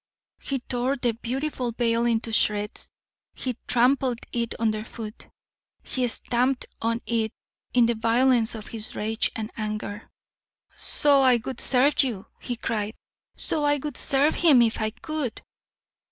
He tore the beautiful veil into shreds, he trampled it under foot, he stamped on it in the violence of his rage and anger. "So I would serve you!" he cried; "so I would serve him if I could!"